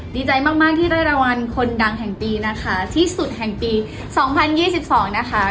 ดีใจมากที่ได้รางวัลคนดังแห่งปีนะคะที่สุดแห่งปีสองพันยี่สิบสองนะคะ